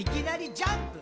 ジャンプ。